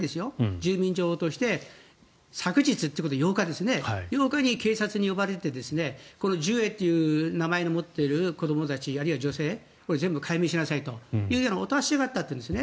住民の情報として昨日っていうことは８日に警察に呼ばれてこのジュエという名前を持っている子どもたちあるいは女性全部改名しなさいというお達しがあったというんですね。